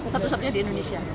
satu satunya di indonesia